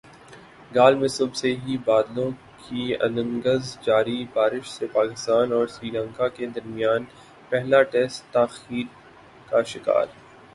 گال میں صبح سے ہی بادلوں کی اننگز جاری بارش سے پاکستان اور سری لنکا کے درمیان پہلا ٹیسٹ تاخیر کا شکار